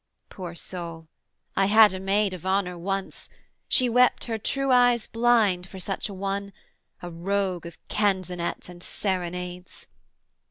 Poor soul! I had a maid of honour once; She wept her true eyes blind for such a one, A rogue of canzonets and serenades.